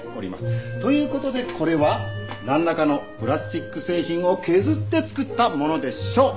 という事でこれはなんらかのプラスチック製品を削って作ったものでしょう！